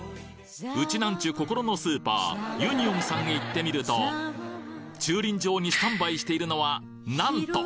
ウチナンチュ心のスーパーユニオンさんへ行ってみると駐輪場にスタンバイしているのはなんと！